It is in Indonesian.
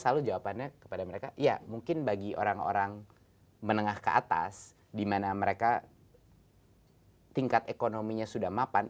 selalu jawabannya kepada mereka ya mungkin bagi orang orang menengah ke atas di mana mereka tingkat ekonominya sudah mapan